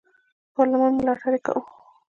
پارلمان ملاتړ یې کاوه.